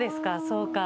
そうか。